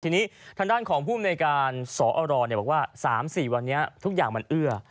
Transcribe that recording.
ทีนี้ทางด้านของภูมิในการสอรบอกว่า๓๔วันนี้ทุกอย่างมันเอื้อ